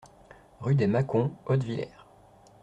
Rue des Macons, Hottviller